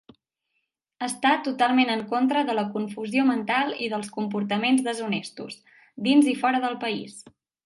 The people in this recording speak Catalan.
Està totalment en contra de la confusió mental i dels comportaments deshonestos, dins i fora del país.